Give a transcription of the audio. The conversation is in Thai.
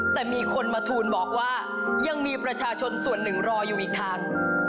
แต่มีคนมาทูลบอกว่ายังมีประชาชนส่วนหนึ่งรออยู่อีกทาง